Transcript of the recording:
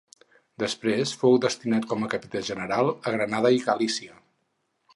Després fou destinat com a capità general a Granada i Galícia.